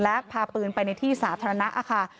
และพาปืนไปในที่สาธารณะค่ะ